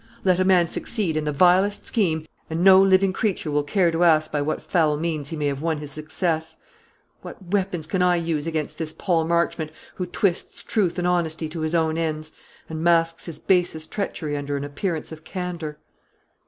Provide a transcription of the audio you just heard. "Let a man succeed in the vilest scheme, and no living creature will care to ask by what foul means he may have won his success. What weapons can I use against this Paul Marchmont, who twists truth and honesty to his own ends, and masks his basest treachery under an appearance of candour?"